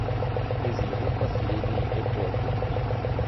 Из его последней эпохи.